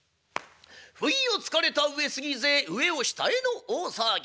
「不意をつかれた上杉勢上を下への大騒ぎ。